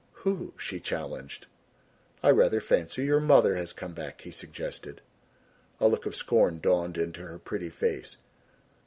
"Who?" she challenged. "I rather fancy your mother has come back," he suggested. A look of scorn dawned into her pretty face.